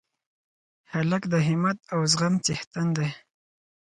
هلک د همت او زغم څښتن دی.